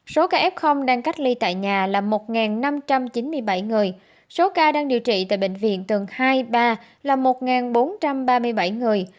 số ca f đang cách ly tại nhà là một năm trăm chín mươi bảy người số ca đang điều trị tại bệnh viện tầng hai ba là một bốn trăm ba mươi bảy người